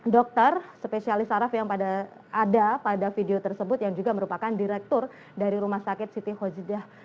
dokter spesialis saraf yang pada ada pada video tersebut yang juga merupakan direktur dari rumah sakit siti hojidah